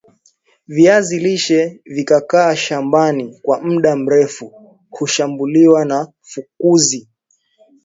viazi lishe vikikaa shamaban kwa mda meru hushambuliwa na fukuzi